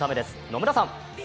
野村さん。